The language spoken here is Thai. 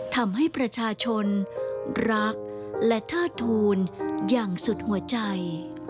ทำให้ประชาชนรักและเทิดทูลอย่างสุดหัวใจ